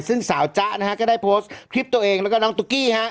ซึ่งสาวจ๊ะนะฮะก็ได้โพสต์คลิปตัวเองแล้วก็น้องตุ๊กกี้ฮะ